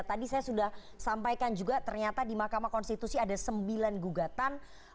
tadi saya sudah sampaikan juga ternyata di mahkamah konstitusi ada sembilan gugatan